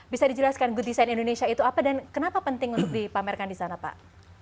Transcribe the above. bisa dijelaskan good design indonesia itu apa dan kenapa penting untuk dipamerkan di sana pak